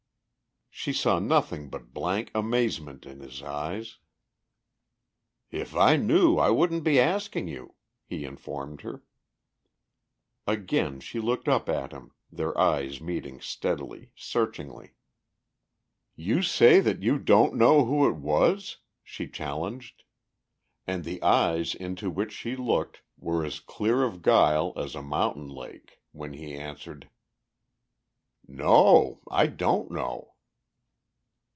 She saw nothing but blank amazement in his eyes. "If I knew I wouldn't be asking you," he informed her. Again she looked up at him, their eyes meeting steadily, searchingly. "You say that you don't know who it was?" she challenged. And the eyes into which she looked were as clear of guile as a mountain lake when he answered: "No. I don't know!"